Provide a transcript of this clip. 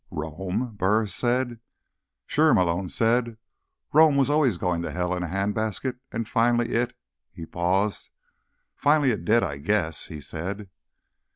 "Rome?" Burris said. "Sure," Malone said. "Rome was always going to hell in a handbasket, and finally it—" He paused. "Finally it did, I guess," he said.